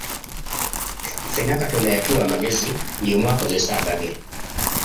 Ffena Katonda yatuwa amagezi, buli omu akozese agage.